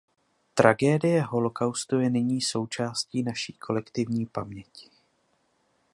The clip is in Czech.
Tragédie holocaustu je nyní součástí naší kolektivní paměti.